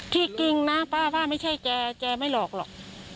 จริงนะป้าป้าไม่ใช่แกแกไม่หลอกหรอก